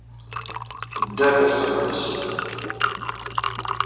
Ddan ad ṣeyyden iselman.